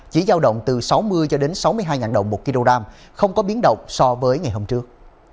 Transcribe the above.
chỉ giao động từ sáu mươi cho đến sáu mươi hai đồng một kg không có biến động so với ngày hôm trước